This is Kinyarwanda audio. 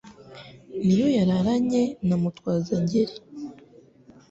Ni yo yararanye na Mutwaza-ngeri.